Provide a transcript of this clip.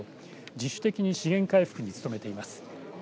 自主的に資源回復に努めています。